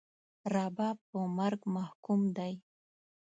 رباب په مرګ محکوم دی